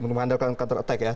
mengandalkan counter attack ya